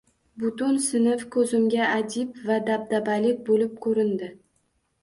Butun sinf ko`zimga ajib va dabdabali bo`lib ko`rindi